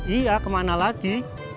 iya kemana lagi